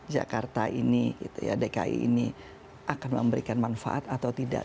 jakarta ini dki ini akan memberikan manfaat atau tidak